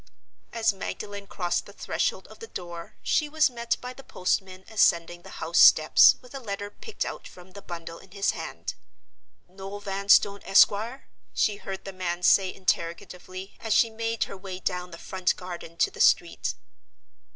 As Magdalen crossed the threshold of the door she was met by the postman ascending the house steps with a letter picked out from the bundle in his hand. "Noel Vanstone, Esquire?" she heard the man say, interrogatively, as she made her way down the front garden to the street.